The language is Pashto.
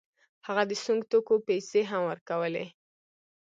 هغه د سونګ توکو پیسې هم ورکولې.